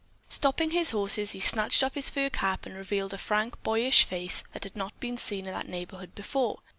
Stopping his horses, he snatched off his fur cap and revealed a frank, boyish face that had not been seen in that neighborhood before.